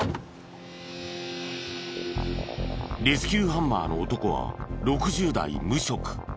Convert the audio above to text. レスキューハンマーの男は６０代無職。